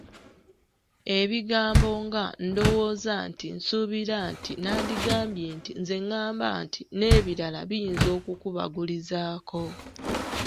Ebigambo nga “ndowooza nti, nsuubira nti, nandigambye nti, nze ηηamba nti” n’ebirala biyinza okukubagulizaako.